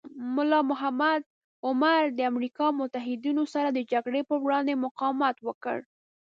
ملا محمد عمر د امریکا او متحدینو سره د جګړې پر وړاندې مقاومت وکړ.